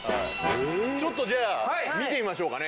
ちょっとじゃあ見てみましょうかね。